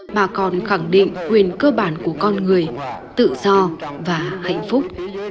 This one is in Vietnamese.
mà còn khẳng định quyền cơ bản của con người tự do và hạnh phúc